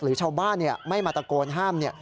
หรือชาวบ้านไม่มาตรคนห้าม